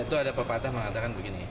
itu ada pepatah mengatakan begini